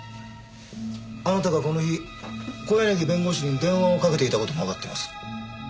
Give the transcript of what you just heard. あなたがこの日小柳弁護士に電話をかけていた事もわかってます。